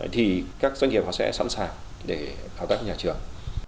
thì các doanh nghiệp họ sẽ sẵn sàng để hợp tác nhà trường